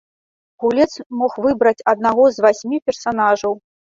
Гулец мог выбраць аднаго з васьмі персанажаў.